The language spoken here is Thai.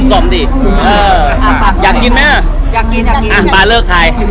ตอนนี้วันนี้เป็นวันแรก